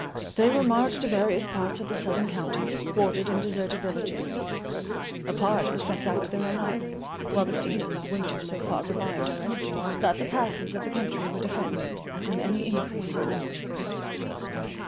They were marched to various parts of the southern counties, quartered in deserted villages,—a part were sent back to their own island, while the season of winter so far revived our energy, that the passes of the country were defended, and any increase of numbers prohibited.